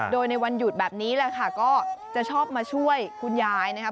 โดยในวันหยุดแบบนี้แหละค่ะก็จะชอบมาช่วยคุณยายนะครับ